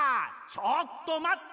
ちょっとまった！